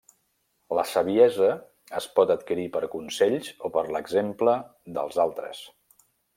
La saviesa es pot adquirir per consells o per l'exemple dels altres.